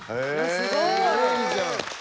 すごいじゃん。